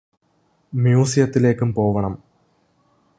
മ്യൂസിയത്തിലേക്കും പോവണം